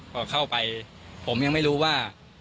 พอเข้าไปผมยังไม่รู้ว่า